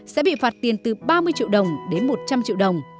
sẽ bị phạt tiền từ ba mươi triệu đồng đến một trăm linh triệu đồng